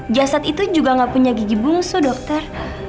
jasad itu juga gak punya gigi bungsu dokter